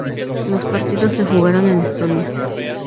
Los partidos se jugaron en Estonia.